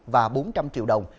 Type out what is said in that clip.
và bốn trăm linh triệu đồng